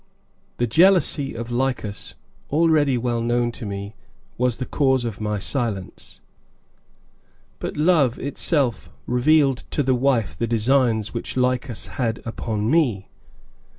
The jealousy of Lycas, already well known to me, was the cause of my silence, but love itself revealed to the wife the designs which Lycas had upon me.